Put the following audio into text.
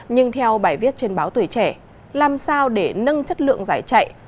nhưng theo bài viết trên báo tuổi trẻ làm sao để nâng chất lượng giải chạy